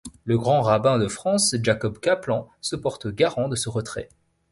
Le grand-rabbin de France Jacob Kaplan se porte garant de ce retrait.